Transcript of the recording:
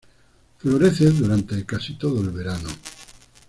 Florece durante casi todo el verano.